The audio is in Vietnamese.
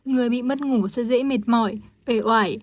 người bị mất ngủ sẽ dễ mệt mỏi ê oải